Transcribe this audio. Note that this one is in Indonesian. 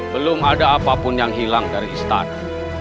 belum ada apapun yang hilang dari istana